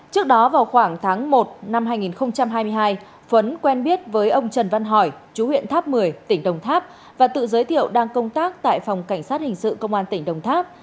trước đó vào khoảng tháng một năm hai nghìn hai mươi hai phấn quen biết với ông trần văn hỏi chú huyện tháp một mươi tỉnh đồng tháp và tự giới thiệu đang công tác tại phòng cảnh sát hình sự công an tỉnh đồng tháp